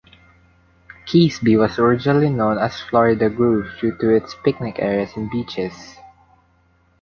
Keasbey was originally known as Florida Grove due to its picnic areas and beaches.